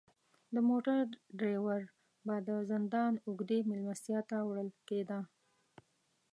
د موټر دریور به د زندان اوږدې میلمستیا ته وړل کیده.